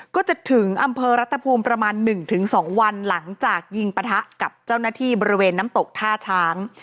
ก็จะถึงอำเภอรัฐภูมิประมาณ๑๒วันหลังจากยิงปะทะกับเจ้าหน้าที่บริเวณน้ำตกท่าช้าง